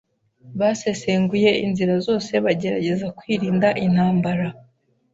Basesenguye inzira zose bagerageza kwirinda intambara.